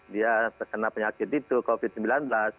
dia terkena penyakit itu covid sembilan belas